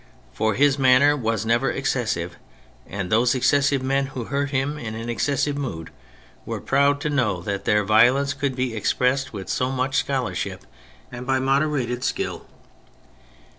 For his manner was never excessive, and those excessive men w^ho heard him in an excessive mood, were proud to know that their violence could be expressed with so much scholarship and moderated skill.